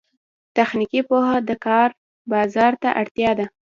تخنیکي پوهه د کار بازار ته اړتیا ده